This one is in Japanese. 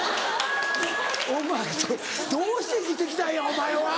お前どうして生きてきたんやお前は！